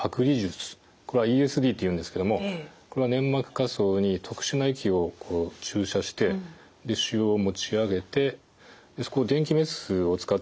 これはＥＳＤっていうんですけどもこれは粘膜下層に特殊な液を注射して腫瘍を持ち上げて電気メスを使ってですね